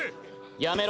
やめろ。